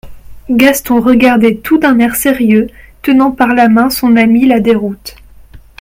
Gaston regardait tout d'un air sérieux, tenant par la main son ami la Déroute.